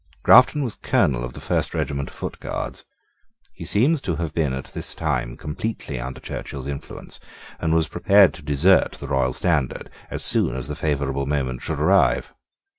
Grafton was colonel of the first regiment of Foot Guards. He seems to have been at this time completely under Churchill's influence, and was prepared to desert the royal standard as soon as the favourable moment should arrive.